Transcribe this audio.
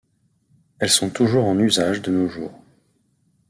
Elles sont toujours en usage de nos jours.